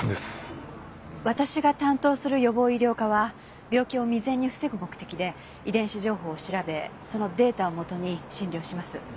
私が担当する予防医療科は病気を未然に防ぐ目的で遺伝子情報を調べそのデータをもとに診療します。